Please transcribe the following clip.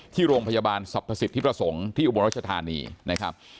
ที่โรงพยาบาลสรรพสิทธิประสงค์ที่อุบลรัชธานีนะครับ